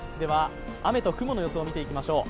雨と雲の予想を見ていきましょう。